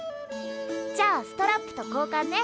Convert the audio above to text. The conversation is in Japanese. じゃあストラップとこうかんね。